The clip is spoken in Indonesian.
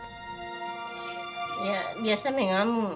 ya biasa mengamuk